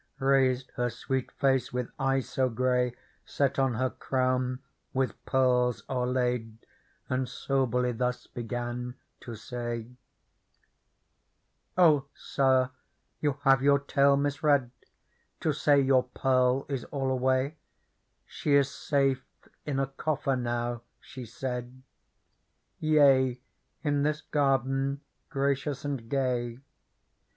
Raised her sweet face with eyes so grey. Set on her crown with pearls o'erlaid. And soberly thus began to say :" O Sir ! you have your tale misread. To say your Pearl is all away :^ She is safe in a coffer now," she said, " Yea, in this garden gracious and gay.